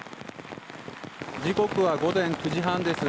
時刻は午前９時半です。